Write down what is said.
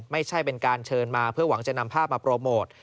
ไม่ใช่เป็นการเชิญมาเพื่อหวังจะนำภาพมาโปรโมท